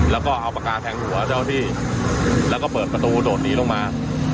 แล้วก็เอาปากกาแทงหัวเจ้าที่แล้วก็เปิดประตูโดดหนีลงมา